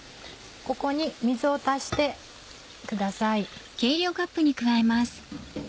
ここに水を足してください。